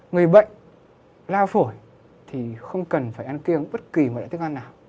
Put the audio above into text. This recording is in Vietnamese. người bệnh lao phổi thì không cần phải ăn kiêng bất kỳ một loại thức ăn nào